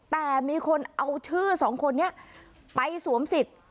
แต่มีคนเอาชื่อสองคนนี้ไปสวมสิทธิ์